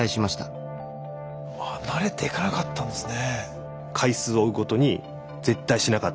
あ慣れていかなかったんですね。